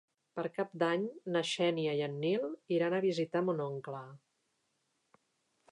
Per Cap d'Any na Xènia i en Nil iran a visitar mon oncle.